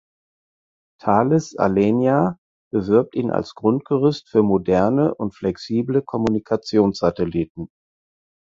Thales Alenia bewirbt ihn als Grundgerüst für moderne und flexible Kommunikationssatelliten.